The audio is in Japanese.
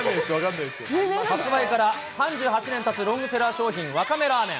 発売から３８年たつロングセラー商品、わかめラーメン。